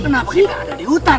kenapa kita ada di hutan